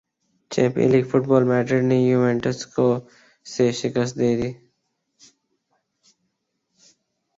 champions League Real Madrid نے Juventus کو سے شکست دے دی